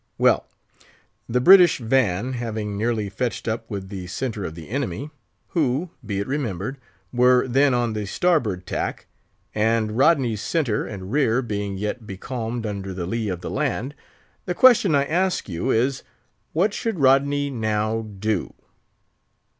Well, the British van having nearly fetched up with the centre of the enemy—who, be it remembered, were then on the starboard tack—and Rodney's centre and rear being yet becalmed under the lee of the land—the question I ask you is, What should Rodney now do?"